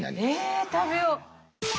え食べよう。